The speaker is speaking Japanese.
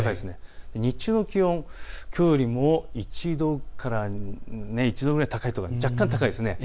日中の気温、きょうよりも１度ぐらい高いところ、若干、高いです。